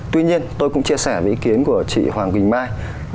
tuy nhiên tôi cũng chia sẻ với ý kiến của chị hoàng quỳnh mai